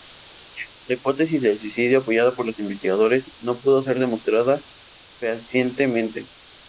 La hipótesis del suicidio, apoyada por los investigadores, no pudo ser demostrada fehacientemente.